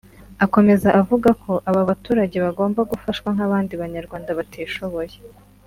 Akomeza avuga ko aba baturage bagomba gufashwa nk’abandi banyarwanda batishoboye